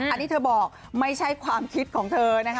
อันนี้เธอบอกไม่ใช่ความคิดของเธอนะคะ